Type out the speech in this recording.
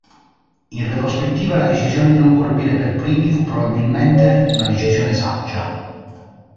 In retrospettiva, la decisione di non colpire per primi fu probabilmente una decisione saggia.